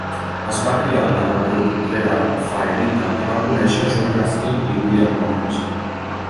Es va criar en el grup prerafaelita i va conèixer John Ruskin i William Morris.